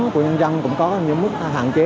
của nhân dân cũng có những mức hạn chế